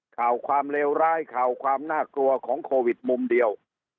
ข่าวความเลวร้ายข่าวความน่ากลัวของโควิดมุมเดียว